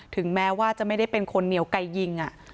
ถึงแม้ว่าจะไม่ได้เป็นคนเหนียวไกลยิง